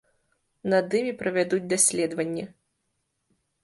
Над імі правядуць даследаванні.